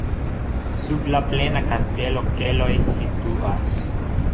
Sub la plena kastelo keloj situas.